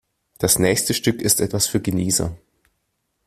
Das nächste Stück ist etwas für Genießer.